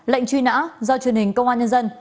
lệnh truy nã do truyền hình công an nhân dân